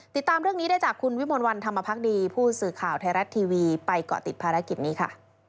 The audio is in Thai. ติดตามเรื่องนี้ได้จากคุณวิมลวันธรรมพักดีผู้สื่อข่าวไทยรัฐทีวีไปเกาะติดภารกิจนี้ค่ะ